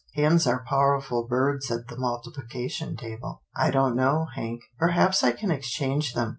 Hens are powerful birds at the multiplication table." " I don't know. Hank. Perhaps I can exchange them.